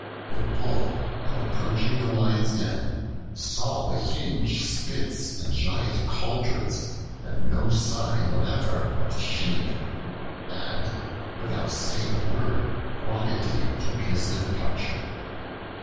The Bull, on approaching the Lion's den, saw the huge spits and giant caldrons, and no sign whatever of the sheep, and, without saying a word, quietly took his departure.